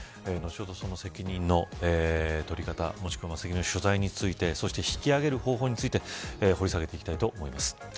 ちょうどその責任の取り方もしくは責任の所在についてそして引き上げる方法について掘り下げていきたいと思います。